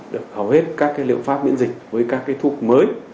được hầu hết các cái liệu pháp miễn dịch với các cái thuốc mới